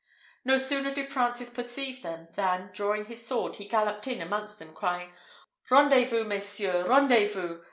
No sooner did Francis perceive them, than, drawing his sword, he galloped in amongst them, crying, "_Rendez vous, messieurs! rendez vous!